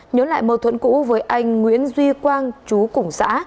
nhớ lại mâu thuẫn cũ với anh nguyễn duy quang chú cùng xã